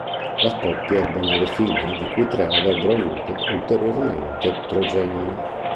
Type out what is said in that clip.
La coppia ebbe nove figli, di cui tre avrebbero avuto ulteriormente progenie.